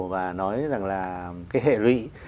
và nói rằng là cái hệ lụy